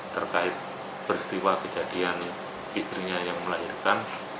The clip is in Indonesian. terkait peristiwa kejadian istrinya yang melahirkan